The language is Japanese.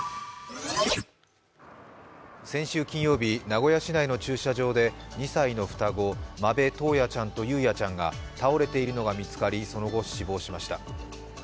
先週金曜日、名古屋市内の駐車場で２歳の双子、間部登也ちゃんと雄也ちゃんが倒れているのが見つかりその後、死亡しました。